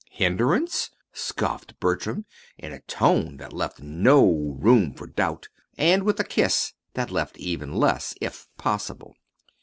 "Hindrance!" scoffed Bertram, in a tone that left no room for doubt, and with a kiss that left even less, if possible.